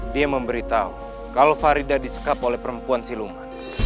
dia memberitahu kalau farida disekap oleh perempuan siluman